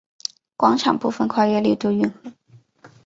广场部分跨越丽都运河。